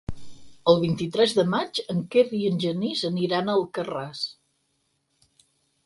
El vint-i-tres de maig en Quer i en Genís aniran a Alcarràs.